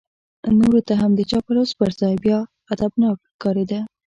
نورو ته هم د چاپلوس په ځای بیا ادبناک ښکارېده.